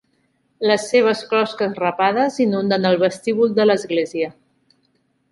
Les seves closques rapades inunden el vestíbul de l'església.